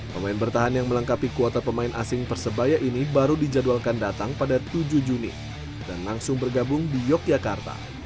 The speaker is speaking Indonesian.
pemain bertahan yang melengkapi kuota pemain asing persebaya ini baru dijadwalkan datang pada tujuh juni dan langsung bergabung di yogyakarta